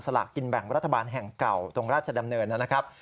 ลากกินแบ่งรัฐบาลแห่งเก่าตรงราชดำเนินนะครับ